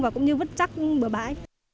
và cũng như vứt chắc bờ bãi